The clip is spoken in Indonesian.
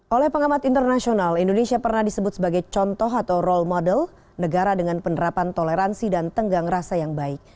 oleh pengamat internasional indonesia pernah disebut sebagai contoh atau role model negara dengan penerapan toleransi dan tenggang rasa yang baik